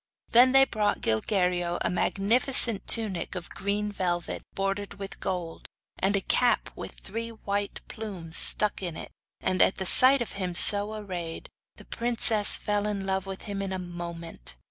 Then they brought to Gilguerillo a magnificent tunic of green velvet bordered with gold, and a cap with three white plumes stuck in it; and at the sight of him so arrayed, the princess fell in love with him in a moment.